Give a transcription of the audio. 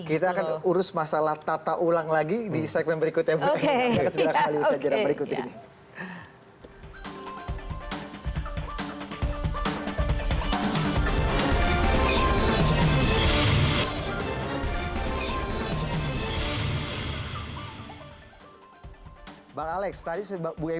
kita akan urus masalah tata ulang lagi di segmen berikut ya bu